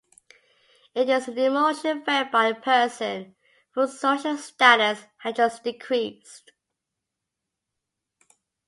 It is an emotion felt by a person whose social status has just decreased.